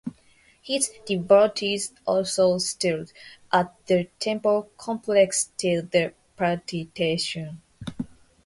His devotees also settled at the temple complex till the Partition.